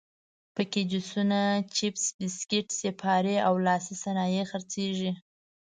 په کې جوسونه، چپس، بسکیټ، سیپارې او لاسي صنایع خرڅېږي.